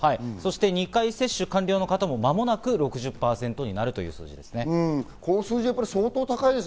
２回接種完了の方も間もなく６０％になるということです。